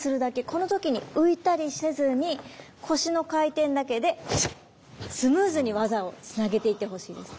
この時に浮いたりせずに腰の回転だけでスムーズに技をつなげていってほしいんです。